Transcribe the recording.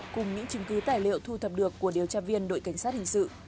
cùng những chứng cứ tài liệu thu thập được của điều tra viên đội cảnh sát hình sự